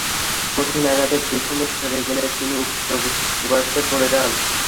কঠিন আঘাতে পিছনে সরে গেলে তিনি উক্ত গর্তে পড়ে যান।